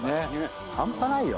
半端ないよ。